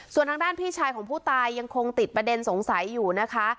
ส่วนทางด้านพี่ชายของผู้ตายยังคงติดประเด็นสงสัยอยู่นะคะ